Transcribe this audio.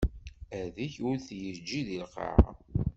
Adeg ur t-yeǧǧi di lqaɛa.